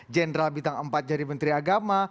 jenderal bintang empat jadi menteri agama